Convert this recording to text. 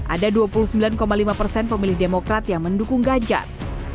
ada dua puluh sembilan lima persen pemilih demokrat yang mendukung ganjar